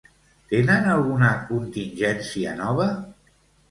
Tenen alguna contingència nova?